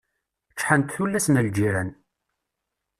Ččḥent tullas n lǧiran.